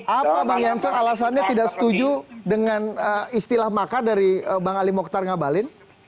apa bang yansen alasannya tidak setuju dengan istilah makar dari bang ali mohtar ngabali